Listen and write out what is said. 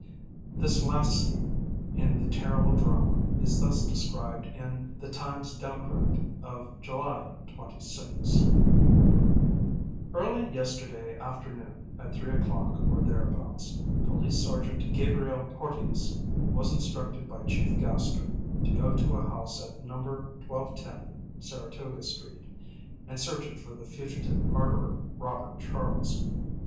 This last scene in the terrible drama is thus described in the Times Democrat of July 26: Early yesterday afternoon, at 3 o'clock or thereabouts, Police Sergeant Gabriel Porteus was instructed by Chief Gaster to go to a house at No. 1210 Saratoga Street, and search it for the fugitive murderer, Robert Charles.